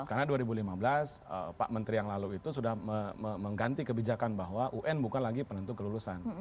karena dua ribu lima belas pak menteri yang lalu itu sudah mengganti kebijakan bahwa un bukan lagi penentu kelulusan